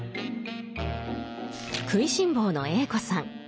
食いしん坊のＡ子さん